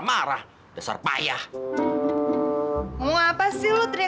gue tadinya seperti dia proyek navisised outfits